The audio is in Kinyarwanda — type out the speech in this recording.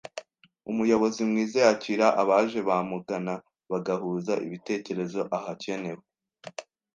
Umuyobozi mwiza yakira abaje bamugana bagahuza ibitekerezo, ahakenewe